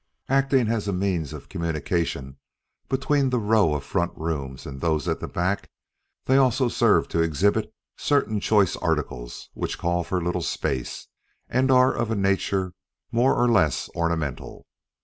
Acting as a means of communication between the row of front rooms and those at the back, they also serve to exhibit certain choice articles which call for little space, and are of a nature more or less ornamental.